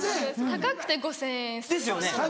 高くて５０００円。ですよね！